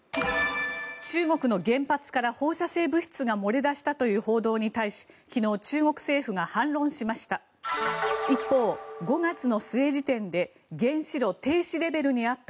中国の原発から放射性物質が漏れ出したという報道に対し昨日、中国政府が反論しました。